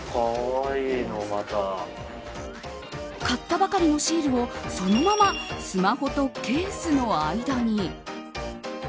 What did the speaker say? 買ったばかりのシールをそのままスマホとケースの間に。